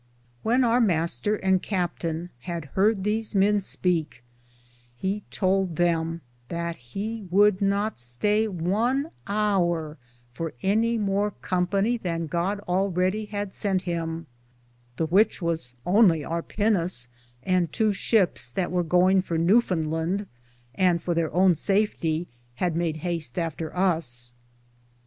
When our Mr. and captaine had harde these men speake, he toulde them that he would not staye one hour for any more companye than God alreddie had sente him, the which was only our pinis and tow shipes that weare goinge for New found Land, and for there owne saftie mad haste after us.